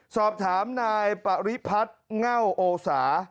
สอบถามนายปริพัฒน์เง่าโอสา